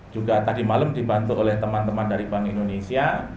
juga tadi malam dibantu oleh teman teman dari bank indonesia